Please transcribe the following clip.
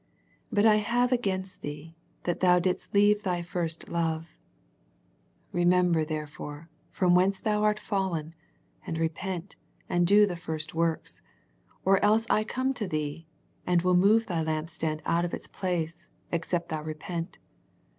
But I have against thee, that thou didst leave thy first love. Remember therefore from whence thou art fallen, and repent, and do the first works ; or else I come to thee, and will move thy lampstand out of its place, except thou repent.